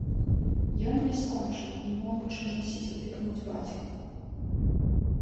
Ён не скончыў, не могучы, мусіць, упікнуць бацьку.